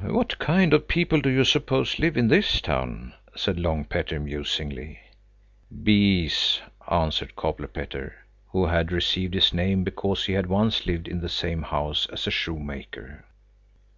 "What kind of people do you suppose live in this town?" said Long Petter, musingly. "Bees," answered Cobbler Petter, who had received his name because he had once lived in the same house as a shoemaker.